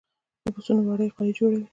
د پسونو وړۍ غالۍ جوړوي